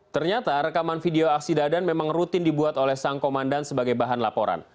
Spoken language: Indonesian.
ternyata rekaman video aksi dadan memang rutin dibuat oleh sang komandan sebagai bahan laporan